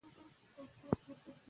د مور ذهني فشار کمول مهم دي.